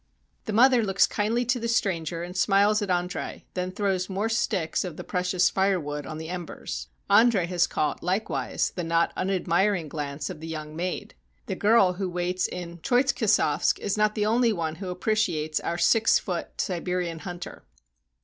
The mother looks kindly to the stranger and smiles at Andre, then throws more sticks of the precious firewood on the embers. Andre has caught, likewise, the not un admiring glance of the young maid. The girl who waits in Troitzkosavsk is not the only one who appreciates our six foot Siberian hunter.